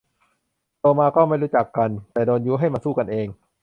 โตมาก็ไม่รู้จักกัน แต่โดนยุให้มาสู้กันเอง